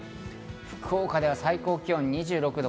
福岡では最高気温２６度。